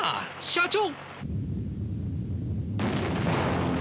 社長！